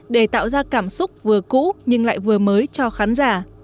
để tạo ra cảm xúc vừa cũ nhưng lại vừa mới cho khán giả